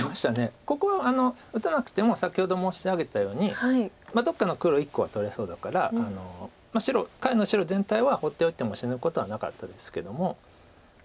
ここは打たなくても先ほど申し上げたようにどっかの黒１個は取れそうだから下辺の白全体は放っておいても死ぬことはなかったですけども。